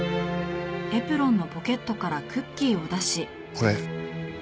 これ。